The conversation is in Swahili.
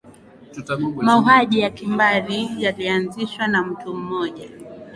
mauaji ya kimbari yalianzishwa na mtu mmoja